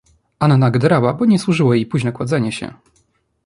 "Anna gderała, bo jej nie służyło późne kładzenie się."